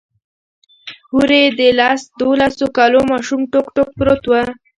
هورې د لس دولسو کالو ماشوم ټوک ټوک پروت و.